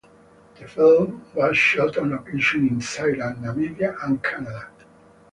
The film was shot on location in Thailand, Namibia and Canada.